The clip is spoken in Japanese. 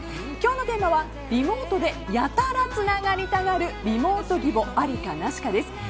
今日のテーマはリモートでやたらつながりたがるリモート義母ありかなしかです。